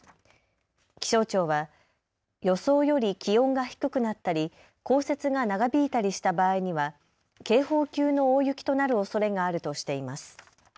気象庁は予想より気温が低くなったり降雪が長引いたりした場合には警報級の大雪となるおそれがあるとしています。